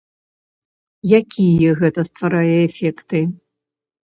Якія гэта стварае эфекты?